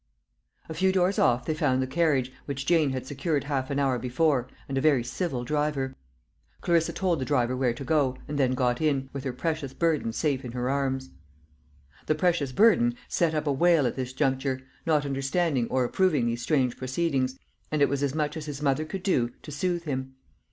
A few doors off they found the carriage, which Jane had secured half an hour before, and a very civil driver. Clarissa told the driver where to go, and then got in, with her precious burden safe in her arms. The precious burden set up a wail at this juncture, not understanding or approving these strange proceedings, and it was as much as his mother could do to soothe him.